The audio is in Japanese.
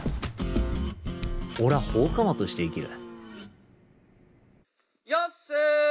俺ぁ放火魔として生きる。